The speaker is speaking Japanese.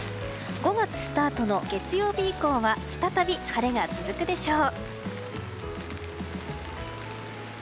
５月スタートの月曜日以降は再び晴れが続くでしょう。